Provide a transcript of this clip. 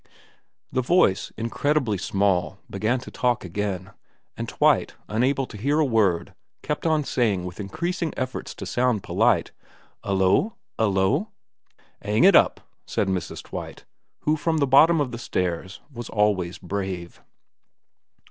The voice, incredibly small, began to talk again, and Twite, unable to hear a word, kept on saying with increasing efforts to sound polite, ' 'Ullo ? 'Ullo ?'' 'Ang it up,' said Mrs. Twite, who from the bottom of the stairs was always brave.